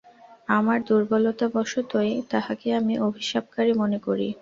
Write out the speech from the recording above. আমার দুর্বলতাবশতই তাহাকে আমি অভিশাপকারী মনে করি।